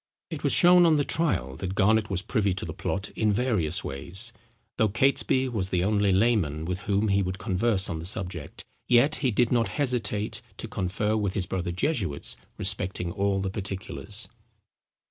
It was shown on the trial that Garnet was privy to the plot in various ways. Though Catesby was the only layman with whom he would converse on the subject, yet he did not hesitate to confer with his brother jesuits respecting all the particulars.